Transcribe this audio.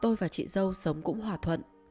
tôi và chị dâu sống cũng hòa thuận